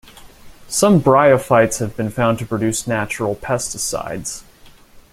Some bryophytes have been found to produce natural pesticides.